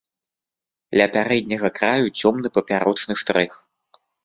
Ля пярэдняга краю цёмны папярочны штрых.